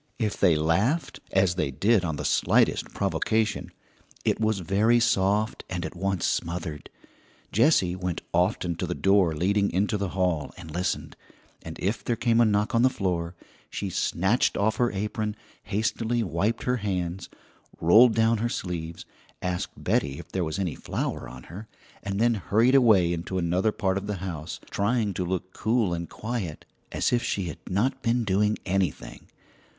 If they laughed as they did on the slightest provocation it was very soft and at once smothered. Jessie went often to the door leading into the hall, and listened; and if there came a knock on the floor, she snatched off her apron, hastily wiped her hands, rolled down her sleeves, asked Betty if there was any flour on her, and then hurried away into another part of the house, trying to look cool and quiet, as if she had not been doing anything.